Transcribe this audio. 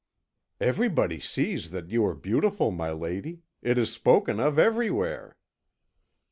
"Everybody sees that you are beautiful, my lady; it is spoken of everywhere."